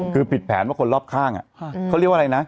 คือผิดแผนว่าคนรอบข้างเขาเรียกว่าอะไรนะ